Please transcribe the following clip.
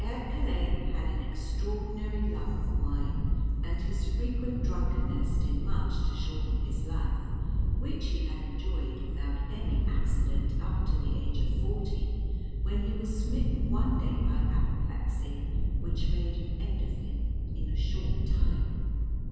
Ercole had an extraordinary love of wine, and his frequent drunkenness did much to shorten his life, which he had enjoyed without any accident up to the age of forty, when he was smitten one day by apoplexy, which made an end of him in a short time.